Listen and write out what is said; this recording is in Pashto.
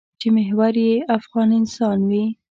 چې محور یې افغان انسان وي.